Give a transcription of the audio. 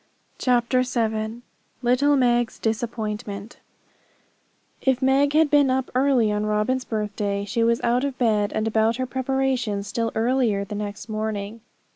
CHAPTER VII Little Meg's Disappointment If Meg had been up early on Robin's birthday, she was out of bed and about her preparations still earlier the next morning.